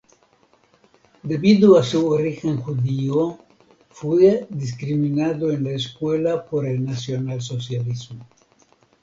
Debido a su origen judío fue discriminado en la escuela por el Nacionalsocialismo.